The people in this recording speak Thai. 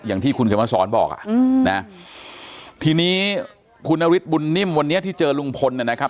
อย่างที่คุณสมสรรค์บอกอ่ะทีนี้คุณนฤทธิ์บุนนิ่มวันนี้ที่เจอลุงพลนะครับ